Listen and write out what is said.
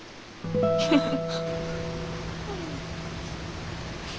フフフフ。